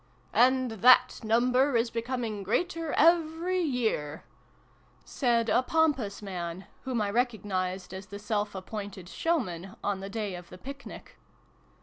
" And that number is becoming greater every year," said a pompous man, whom I recognised as the self appointed showman on the day of the picnic.